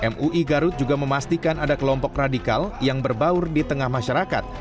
mui garut juga memastikan ada kelompok radikal yang berbaur di tengah masyarakat